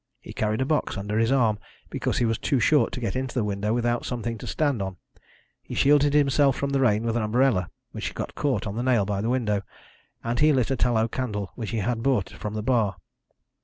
He carried a box, under his arm, because he was too short to get into the window without something to stand on, he shielded himself from the rain with an umbrella, which got caught on the nail by the window, and he lit a tallow candle which he had brought from the bar.